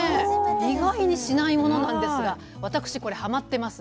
意外にしないものなんですが私これハマってます。